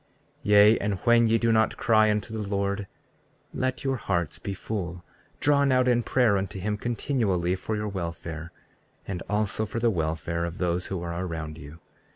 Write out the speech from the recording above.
34:27 Yea, and when you do not cry unto the Lord, let your hearts be full, drawn out in prayer unto him continually for your welfare, and also for the welfare of those who are around you.